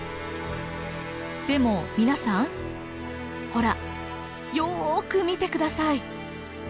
でも皆さんほらよく見て下さい。